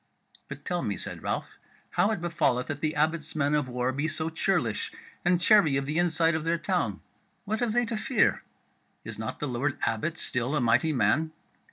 "But tell me," said Ralph, "how it befalleth that the Abbot's men of war be so churlish, and chary of the inside of their town; what have they to fear? Is not the Lord Abbot still a mighty man?"